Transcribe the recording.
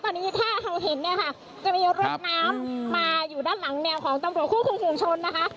ตอนนี้ถ้าเราเห็นเนี่ยค่ะจะมีรถน้ำมาอยู่ด้านหลังแนวของตำรวจคู่คุมฝุงชนนะคะ